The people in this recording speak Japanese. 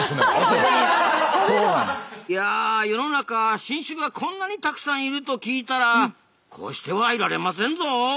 いや世の中新種がこんなにたくさんいると聞いたらこうしてはいられませんぞ！